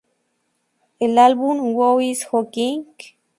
El álbum "Who Is Jo King?